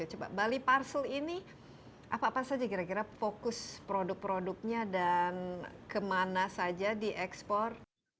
coba balik parcel ini apa saja kira kira fokus produk produknya dan kemana saja di ekspor